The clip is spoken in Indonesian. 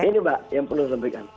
ini mbak yang perlu disampaikan